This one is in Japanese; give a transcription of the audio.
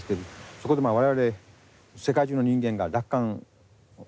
そこで我々世界中の人間が楽観を始めた。